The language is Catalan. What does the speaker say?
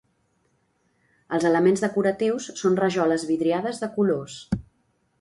Els elements decoratius són rajoles vidriades de colors.